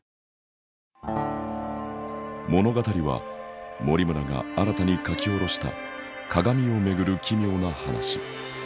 物語は森村が新たに書き下ろした鏡を巡る奇妙な話。